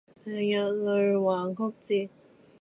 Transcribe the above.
成日捩橫曲折